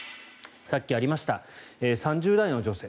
さっきありました３０代の女性。